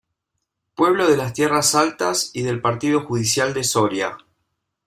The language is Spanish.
Pueblo de la de Tierras Altas y del partido judicial de Soria.